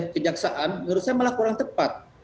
dari penyaksaan menurut saya malah kurang tepat